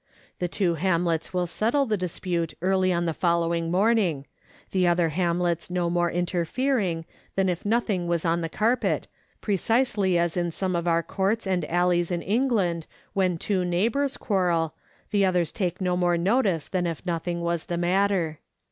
The two hamlets will settle the dis pute early on the following morning, the other hamlets no more interfering than if nothing was on the carpet, precisely as in some D4 Letters from Victorian Pioneers. of our courts and alleys in England when two neighbours quarrel, the others take no more notice than if nothing was the matter.